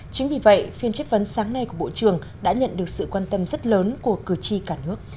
chính vì vậy phiên chất vấn sáng nay của bộ trưởng đã nhận được sự quan tâm rất lớn của cử tri cả nước